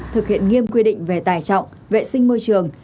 thực hiện nghiêm quy định về tài trọng vệ sinh môi trường